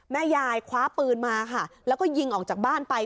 แม่ยายคว้าปืนมาค่ะแล้วก็ยิงออกจากบ้านไป